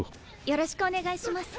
よろしくお願いします。